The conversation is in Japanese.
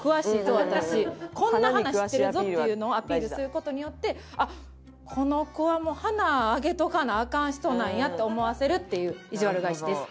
私こんな花知ってるぞっていうのをアピールする事によってあっこの子はもう花あげとかなアカン人なんやって思わせるっていういじわる返しです。